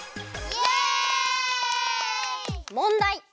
もんだい。